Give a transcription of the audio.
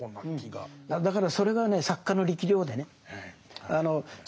だからそれがね作家の力量でね。